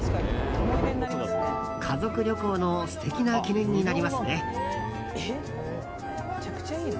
家族旅行の素敵な記念になりますね。